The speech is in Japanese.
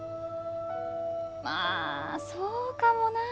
まあそうかもなあ。